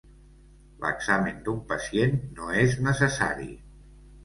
L'examen d'un pacient no és necessari.